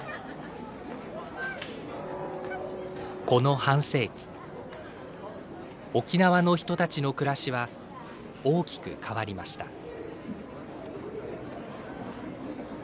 この半世紀沖縄の人たちの暮らしは大きく変わりました。